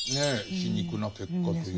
皮肉な結果というか。